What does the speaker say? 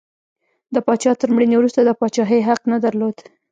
د پاچا تر مړینې وروسته د پاچاهۍ حق نه درلود.